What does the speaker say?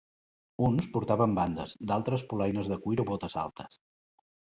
Uns portaven bandes, d'altres polaines de cuir o botes altes.